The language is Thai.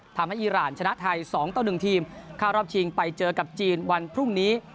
ทำให้อีร่านชนะไทย๒ต้องดึงทีมข้ารอบชิงไปเจอกับจีนวันพรุ่งนี้